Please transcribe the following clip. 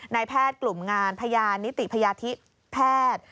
นายแพทย์กลุ่มงานพยานนิติพยาธิแพทย์